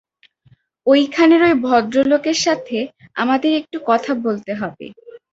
ওই খানের ওই ভদ্রলোকের সাথে আমাদের একটু কথা বলতে হবে।